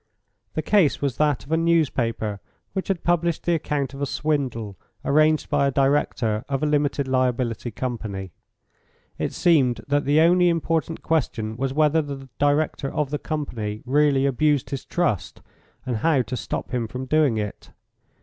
The case was that of a newspaper which had published the account of a swindle arranged by a director of a limited liability company. It seemed that the only important question was whether the director of the company really abused his trust, and how to stop him from doing it.